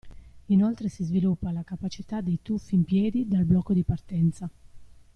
Inoltre si sviluppa la capacità del tuffi in piedi dal blocco di partenza.